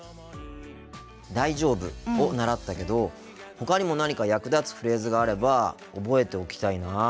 「大丈夫？」を習ったけどほかにも何か役立つフレーズがあれば覚えておきたいな。